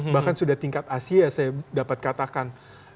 bahkan sudah tingkat asia saya dapat katakan